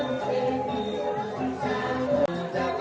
การทีลงเพลงสะดวกเพื่อความชุมภูมิของชาวไทย